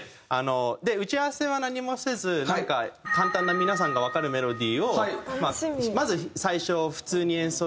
で打ち合わせは何もせずなんか簡単な皆さんがわかるメロディーをまず最初普通に演奏して。